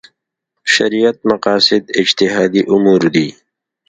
شریعت مقاصد اجتهادي امور دي.